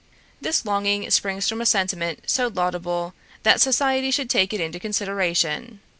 This longing springs from a sentiment so laudable that society should take it into consideration.